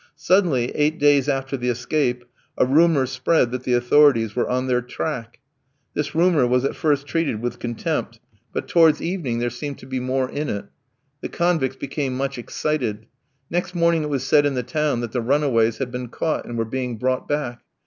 Suddenly, eight days after the escape, a rumour spread that the authorities were on their track. This rumour was at first treated with contempt, but towards evening there seemed to be more in it. The convicts became much excited. Next morning it was said in the town that the runaways had been caught, and were being brought back.